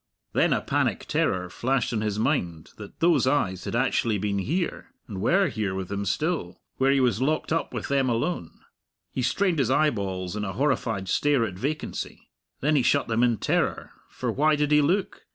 Then a panic terror flashed on his mind that those eyes had actually been here and were here with him still where he was locked up with them alone. He strained his eyeballs in a horrified stare at vacancy. Then he shut them in terror, for why did he look?